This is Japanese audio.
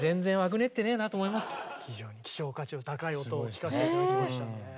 非常に希少価値の高い音を聴かせて頂きましたねぇ。